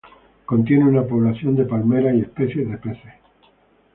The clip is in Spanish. Contiene una población de palmeras y especies de peces.